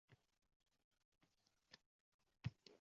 O’tiring va o’ylang